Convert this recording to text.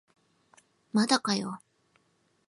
まだかよ